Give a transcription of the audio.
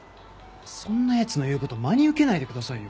そんなやつの言うこと真に受けないでくださいよ。